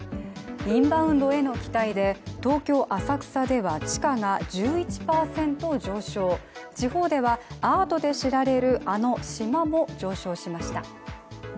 インバウンドへの期待で東京・浅草では地価が１１％上昇、地方ではアートで知られるあの島も上昇しました。